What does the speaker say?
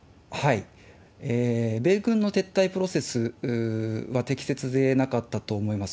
米軍の撤退プロセスは適切でなかったと思います。